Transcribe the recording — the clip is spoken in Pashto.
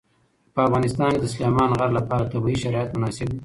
په افغانستان کې د سلیمان غر لپاره طبیعي شرایط مناسب دي.